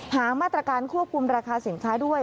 หามาตรการควบคุมราคาสินค้าด้วย